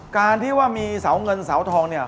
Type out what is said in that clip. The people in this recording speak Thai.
การที่ว่ามีเสาเงินเสาทอง